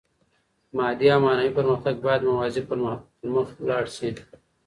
مادي او معنوي پرمختګ بايد موازي پرمخ لاړ سي.